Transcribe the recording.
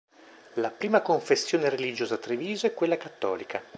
La prima confessione religiosa a Treviso è quella cattolica.